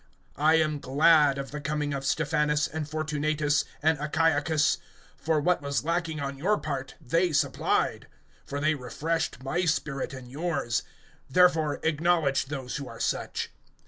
(17)I am glad of the coming of Stephanas and Fortunatus and Achaicus; for what was lacking on your part they supplied. (18)For they refreshed my spirit and yours; therefore acknowledge those who are such.